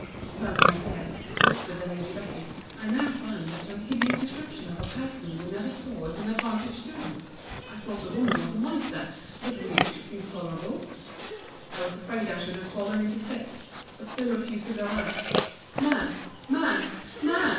Well, my dear, whispered the Lady Betty, I now find that an hideous description of a person we never saw is an advantage to them. I thought the woman was a monster—but, really, she seems tolerable. I was afraid I should have fallen into fits: but still refused to go out—Man!—Man!